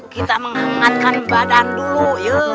kita menghangankan badan dulu ya